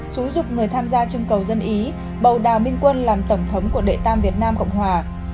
xúi dục người tham gia chương cầu dân ý bầu đào minh quân làm tổng thống của đệ tam việt nam cộng hòa